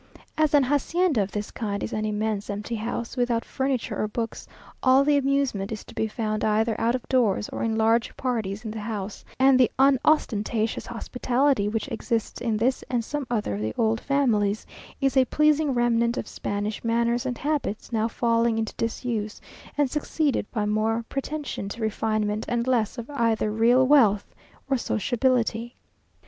As an hacienda of this kind is an immense empty house, without furniture or books, all the amusement is to be found either out of doors, or in large parties in the house; and the unostentatious hospitality which exists in this and some other of the old families, is a pleasing remnant of Spanish manners and habits, now falling into disuse, and succeeded by more pretension to refinement, and less of either real wealth or sociability.